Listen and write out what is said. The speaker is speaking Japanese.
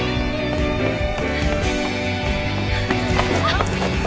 あっ！